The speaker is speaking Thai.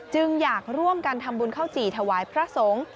จึงอยากร่วมกันทำบุญข้าวจี่ถวายพระสงฆ์